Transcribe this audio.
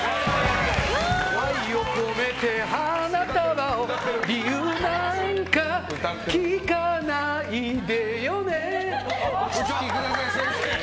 愛を込めて花束を理由なんか聞かないでよね！